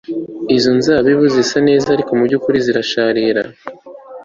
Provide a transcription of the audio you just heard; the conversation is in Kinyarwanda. Izo nzabibu zisa neza ariko mubyukuri zirasharira